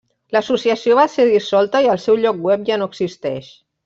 L'associació va ser dissolta i el seu lloc web ja no existeix.